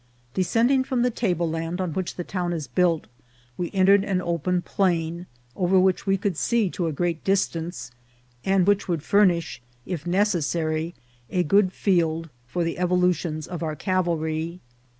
Descending from the table land on which the town is ""built, we entered an open plain, over which we could see to a great distance, and which would furnish, if ne cessary, a good field for the evolutions of our cavalry.